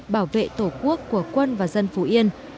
bảo vệ tổ quốc của quân và dân phú yên